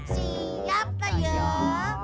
siap toh yuk